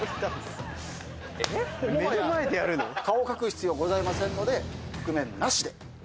顔隠す必要ございませんので覆面なしで。